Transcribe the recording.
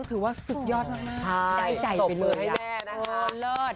ถือว่าสุดยอดมาก